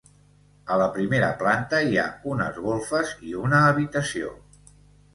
A la primera planta hi ha unes golfes i una habitació.